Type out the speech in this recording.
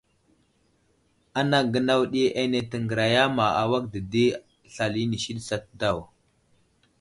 Anaŋ gənaw ɗi ane təŋgəriya ma awak dedi slal inisi ɗi asat daw.